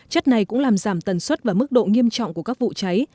chất này cũng làm giảm tần suất và mức độ nghiêm trọng của các vụ cháy